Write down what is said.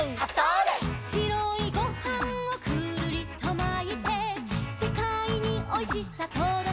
「しろいごはんをくるりとまいて」「せかいにおいしさとどけます」